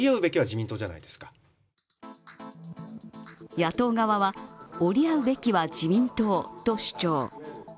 野党側は折り合うべきは自民党と主張。